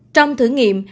trong thử nghiệm